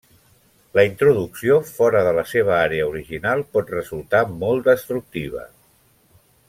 La introducció fora de la seva àrea original pot resultar molt destructiva.